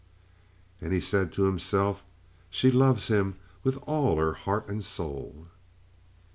And he said to himself: "She loves him with all her heart and soul!"